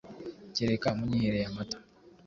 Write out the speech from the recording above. Kereka munyihereye amata